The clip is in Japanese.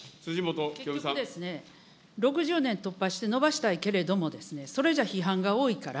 結局ですね、６０年突破して延ばしたいけれども、それじゃ批判が多いから、